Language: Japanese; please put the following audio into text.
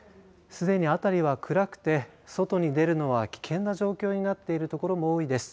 すでに、辺りは暗くて外に出るのは危険な状態になっている所も多いです。